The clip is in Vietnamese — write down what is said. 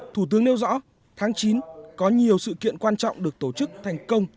thủ tướng nêu rõ tháng chín có nhiều sự kiện quan trọng được tổ chức thành công